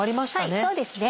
はいそうですね。